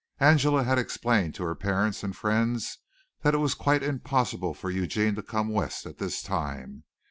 Angela had explained to her parents and friends that it was quite impossible for Eugene to come West at this time.